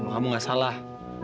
kamu gak salah